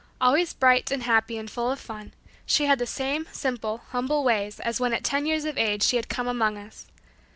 Always bright and happy and full of fun, she had the same simple, humble ways as when at ten years of age she had come among us.